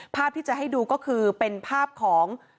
ภาพที่จะให้ดูก็คือเป็นภาพของ